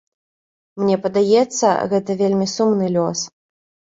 Мне падаецца, гэта вельмі сумны лёс.